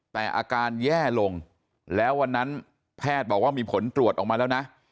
แต่อาการแย่ลงแล้ววันนั้นแพทย์บอกว่ามีผลตรวจออกมาแล้วนะ